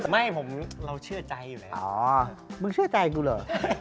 ไม่เราเชื่อใจอยู่เลย